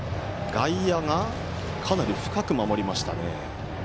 外野がかなり深く守りましたね。